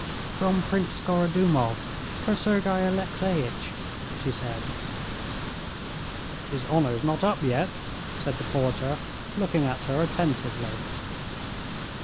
"From Prince Skorodumov for Sergey Alexeitch," she said. "His honor's not up yet," said the porter, looking at her attentively.